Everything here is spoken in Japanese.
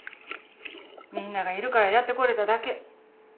みんながいるからやってこれただけ。